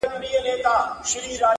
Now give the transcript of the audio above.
• چي شهید مي په لحد کي په نازیږي -